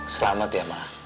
selamat ya ma